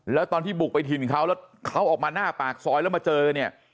แล้วตอนที่บุกไปถิ่นเขาแล้วเขาออกมาหน้าปากซอยแล้วมาเจอเนี่ย